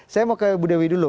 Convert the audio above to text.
saya mau ke budewi dulu